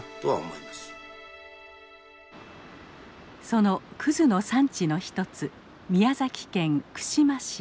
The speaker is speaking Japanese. その葛の産地の一つ宮崎県串間市。